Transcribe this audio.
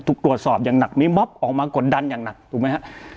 ถูกตรวจสอบอย่างหนักมีม็อบออกมากดดันอย่างหนักถูกไหมฮะ